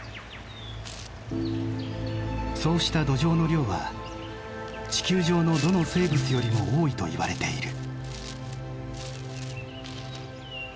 そうした土壌の量は地球上のどの生物よりも多いといわれている。